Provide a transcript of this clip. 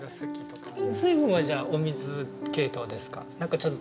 水分はじゃあお水系統ですか？